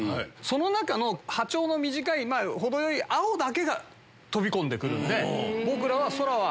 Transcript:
その中の波長の短い青だけが飛び込んで来るので。